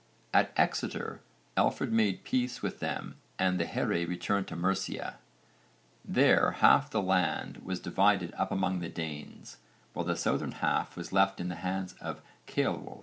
At Exeter Alfred made peace with them and the here returned to Mercia. There half the land was divided up among the Danes while the southern half was left in the hands of Ceolwulf.